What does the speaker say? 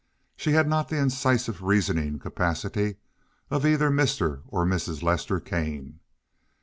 She had not the incisive reasoning capacity of either Mr. or Mrs. Lester Kane.